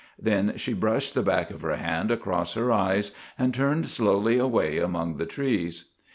Then she brushed the back of her hand across her eyes and turned slowly away among the trees.